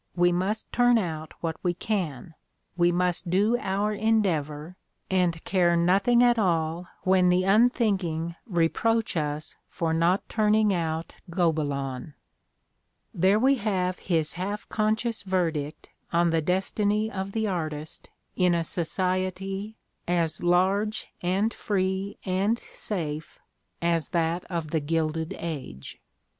We must turn out what we can; we must do our endeavor and care nothing at all when the unthinking reproach us for not turning out Gobelins." There we have his half conscious verdict on the destiny of the artist in a society as "lar^e and free and safe '' as that of the Gilded Age.